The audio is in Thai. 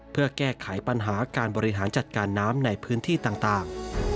เพื่อแก้ไขปัญหาการบริหารจัดการน้ำในพื้นที่ต่าง